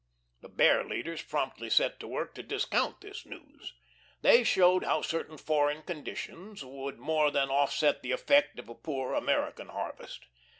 The Bear leaders promptly set to work to discount this news. They showed how certain foreign conditions would more than offset the effect of a poor American harvest.